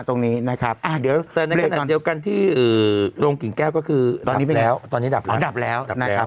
แต่ในขณะเดียวกันที่ลงกลิ่งแก้วก็คือตอนนี้ดับแล้ว